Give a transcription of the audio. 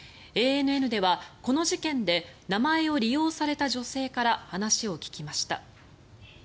ＡＮＮでは、この事件で名前を利用された女性から話を聞きました。